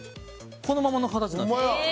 このままの形なんですよ。